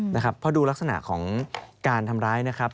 เพราะดูลักษณะของการทำร้ายนะครับ